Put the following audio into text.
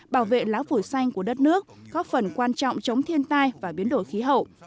bảo vệ lá phổi xanh của đất nước góp phần quan trọng chống thiên tai và biến đổi khí hậu